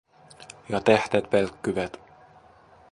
Ja tähdet välkkyvät.